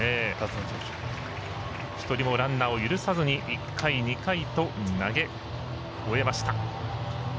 １人もランナー許さずに１回、２回と投げ終えました。